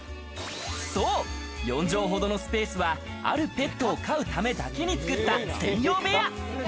４畳ほどのスペースはあるペットを飼うためだけに作った専用部屋。